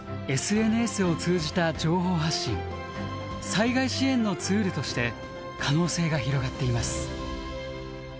災害支援のツールとして可能性が広がっています。